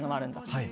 はい。